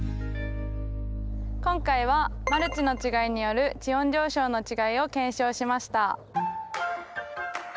今回はマルチの違いによる地温上昇の違いを検証しました。